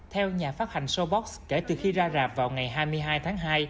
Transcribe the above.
theo nhà phát hành showbox kể từ khi ra rạp vào ngày hai mươi hai tháng hai